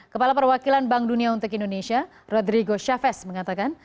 kepala perwakilan bank dunia untuk indonesia rodrigo chavez mengatakan